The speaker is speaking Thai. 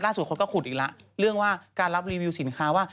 คนก็ขุดอีกแล้วเรื่องว่าการรับรีวิวสินค้าว่า